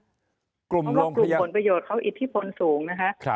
เพราะว่ากลุ่มผลประโยชน์เขาอิทธิพลสูงนะคะ